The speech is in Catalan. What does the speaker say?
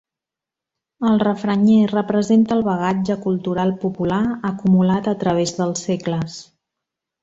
El refranyer representa el bagatge cultural popular acumulat a través dels segles.